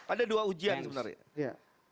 ada dua ujian sebenarnya